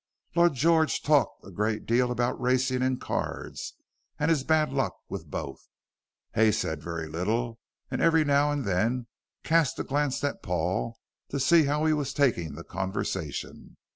Lord George talked a great deal about racing and cards, and his bad luck with both. Hay said very little and every now and then cast a glance at Paul, to see how he was taking the conversation.